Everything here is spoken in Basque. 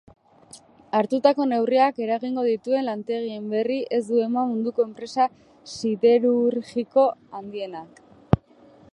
Hartutako neurriak eragingo dituen lantegien berri ez du eman munduko enpresa siderurgiko handienak.